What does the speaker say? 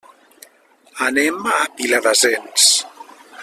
Anem a Viladasens.